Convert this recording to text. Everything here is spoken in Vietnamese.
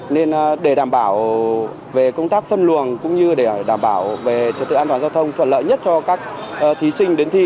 nên để đảm bảo về công tác phân luồng cũng như để đảm bảo về trật tự an toàn giao thông thuận lợi nhất cho các thí sinh đến thi